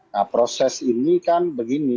nah proses ini kan begini